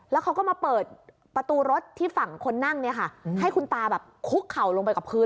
แล้วเขาก็มาเปิดประตูรถที่ฝั่งคนนั่งเนี่ยค่ะให้คุณตาแบบคุกเข่าลงไปกับพื้น